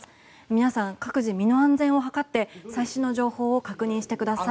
皆さん、各自、身の安全を図って最新の情報を確認してください。